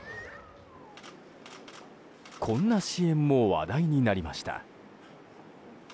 こんな支援も話題になりました。